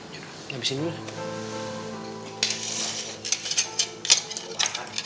yaudah habisin dulu